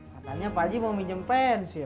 katanya pak haji mau pinjem pensil